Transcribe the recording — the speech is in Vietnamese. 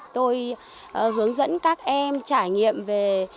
tôi hướng dẫn các em trải nghiệm về